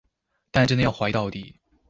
但真的要懷疑到底